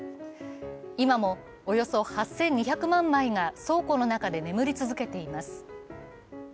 今も、およそ８２００万枚が倉庫の中で眠り続けています。